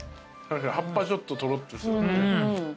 確かに葉っぱちょっととろっとして。